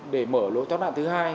để mở lối thoát đạn thứ hai